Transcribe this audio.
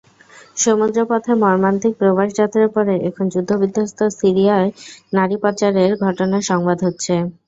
সমুদ্রপথে মর্মান্তিক প্রবাসযাত্রার পরে এখন যুদ্ধবিধ্বস্ত সিরিয়ায় নারী পাচারের ঘটনা সংবাদ হচ্ছে।